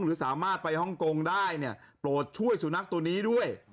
หรือสามารถไปฮ่องกงได้เนี่ยโปรดช่วยสุนัขตัวนี้ด้วย